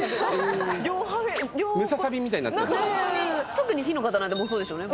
特に火の方なんてそうでしょうね。